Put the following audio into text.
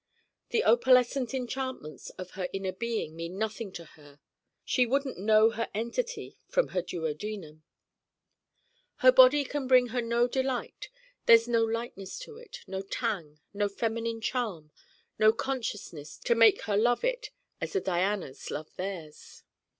The opalescent enchantments of her inner being mean nothing to her: she wouldn't know her entity from her duodenum. Her body can bring her no delight: there's no lightness to it, no tang, no feminine charm, no consciousness to make her love it as the Dianas love theirs.